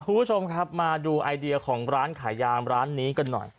คุณผู้ชมครับมาดูไอเดียของร้านขายยามร้านนี้กันหน่อย